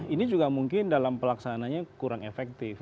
ini juga mungkin dalam pelaksananya kurang efektif